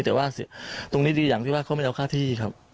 แต่ว่าตรงนี้ดีอย่างที่ว่าเขาไม่เอาค่าที่ครับ